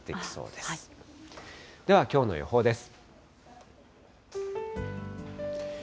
ではきょうの予報です。